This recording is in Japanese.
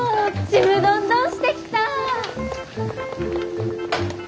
ちむどんどんしてきた！